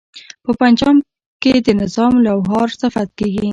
په پنجاب کې د نظام لوهار صفت کیږي.